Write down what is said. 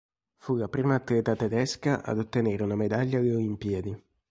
Fu la prima atleta tedesca ad ottenere una medaglia alle olimpiadi.